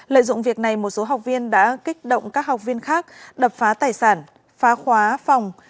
lợi dụng việc này một số học viên đã kích động các học viên khác đập phá tài sản phá khóa phòng